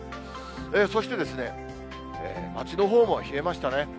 そして、街のほうも冷えましたね。